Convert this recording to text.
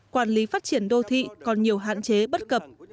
quản lý phát triển đô thị còn nhiều hạn chế bất cập